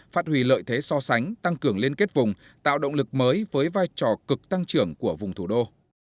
phát hủy lợi thế so sánh tăng cường liên kết vùng tạo động lực mới với vai trò cực tăng trưởng của vùng thủ đô